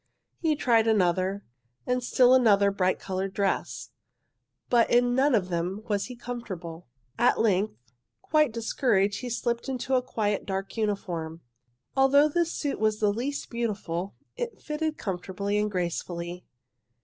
He tried another and still another bright coloured dress, but in none of them was he comfortable. "'At length, quite discouraged, he slipped into a quiet, dark uniform. Although this suit was the least beautiful it fitted comfortably and gracefully.